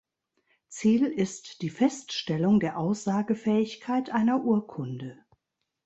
Ziel ist die Feststellung der Aussagefähigkeit einer Urkunde.